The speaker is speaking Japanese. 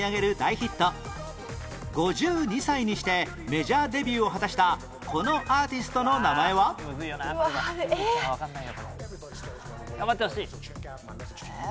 ５２歳にしてメジャーデビューを果たしたこのアーティストの名前は？えっ？頑張ってほしい。